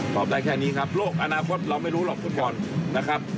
ได้แค่นี้ครับโลกอนาคตเราไม่รู้หรอกฟุตบอลนะครับ